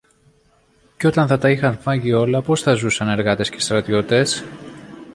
Και όταν θα τα είχαν φάγει όλα, πώς θα ζούσαν, εργάτες και στρατιώτες;